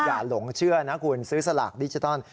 หลงเชื่อนะคุณซื้อสลากดิจิทัล